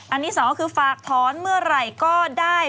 อันนี้สองคือฝากถอนเมื่อไหร่ก็ได้